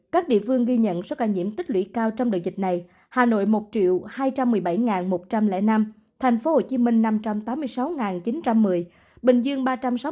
các địa phương ghi nhận số ca nhiễm tích lũy cao trong đợt dịch này hà nội một hai trăm một mươi bảy một trăm linh năm thành phố hồ chí minh năm trăm tám mươi sáu chín trăm một mươi bình dương ba trăm sáu mươi bốn chín trăm bảy mươi tám